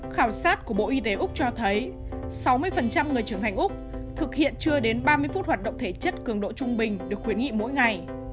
khảo sát của bộ y tế úc cho thấy sáu mươi người trưởng hành úc thực hiện chưa đến ba mươi phút hoạt động thể chất cường độ trung bình được khuyến nghị mỗi ngày